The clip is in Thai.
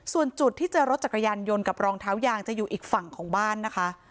ส่วนจุดที่เจอรถจักรยานยนต์กับรองเท้ายางจะอยู่อีกฝั่งของบ้านนะคะ